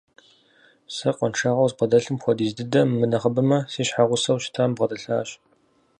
Сэ къуаншагъэу збгъэдэлъым хуэдиз дыдэ, мынэхъыбэмэ, си щхьэгъусэу щытами бгъэдэлъащ.